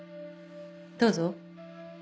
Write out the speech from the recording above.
どうぞ。